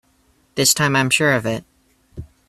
This time I'm sure of it!